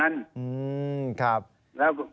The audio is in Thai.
ภัยบูรณ์นิติตะวันภัยบูรณ์นิติตะวัน